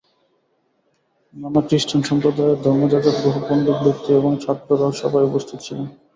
নানা খ্রীষ্টান সম্প্রদায়ের ধর্মযাজক, বহু পণ্ডিত ব্যক্তি এবং ছাত্রেরাও সভায় উপস্থিত ছিলেন।